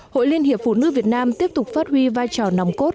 hội liên hiệp phụ nữ việt nam tiếp tục phát huy vai trò nòng cốt